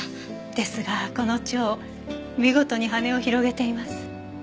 ですがこの蝶見事に羽を広げています。